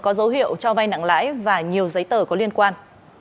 có dấu hiệu cho vay nặng lãi và nhiều giấy tờ có liên quan